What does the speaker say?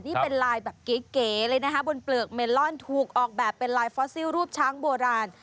นี่เป็นลายแบบเก๋เลยนะคะบนเปลือกเมลอนถูกออกแบบเป็นลายฟอสซิลรูปช้างโบราณ